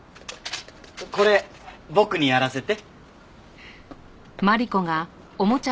これ僕にやらせて。